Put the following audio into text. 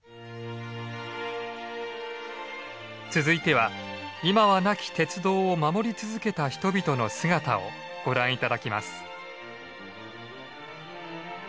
続いては今はなき鉄道を守り続けた人々の姿をご覧頂きます。